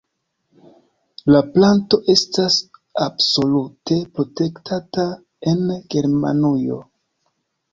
La planto estas absolute protektata en Germanujo.